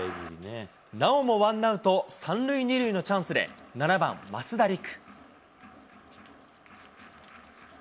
なおもワンアウト３塁２塁のチャンスで、７番増田陸。